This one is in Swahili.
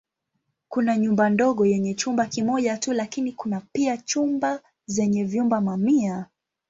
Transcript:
Kuna nyumba ndogo yenye chumba kimoja tu lakini kuna pia nyumba zenye vyumba mamia.